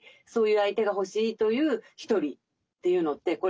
そういう相手が欲しいというひとりっていうのって